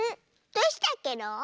どうしたケロ？